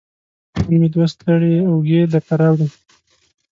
نن مې دوه ستړې اوږې درته راوړي